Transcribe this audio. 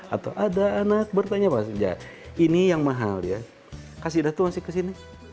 atau ada anak bertanya ini yang mahal ya kasih datu masih ke sini